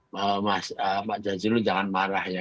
pak jazilul jangan marah ya